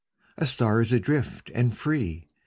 A star is adrift and free.